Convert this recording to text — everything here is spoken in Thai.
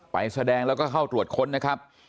ไปแสดงแล้วก็เข้าตรวจค้นนะครับ